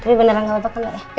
tapi beneran gak lepet kan lo ya